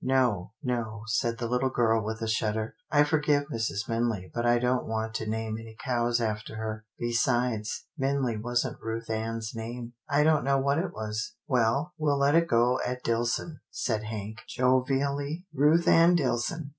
No, no," said the little girl with a shudder. " I forgive Mrs. Minley, but I don't want to name any cows after her. Besides, Minley wasn't Ruth Ann's name. I don't know what it was." "Well, we'll let it go at Dillson," said Hank 46 'TILDA JANE'S ORPHANS jovially, " Ruth Ann Dillson.